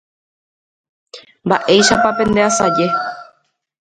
mba'éichapa pendeasaje